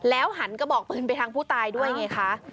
หันกระบอกปืนไปทางผู้ตายด้วยไงคะ